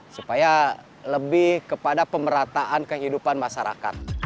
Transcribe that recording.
supaya lebih kepada pemerataan kehidupan masyarakat